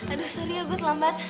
aduh sorry ya gue telambat